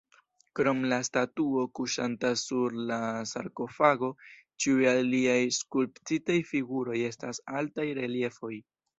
Krom la statuo kuŝanta sur la sarkofago, ĉiuj aliaj skulptitaj figuroj estas altaj reliefoj.